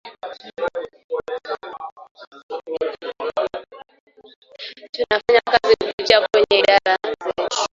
Tunafanya kazi kupitia kwenye idara zetu